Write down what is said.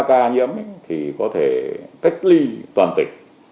ca nhiễm thì có thể cách ly toàn tỉnh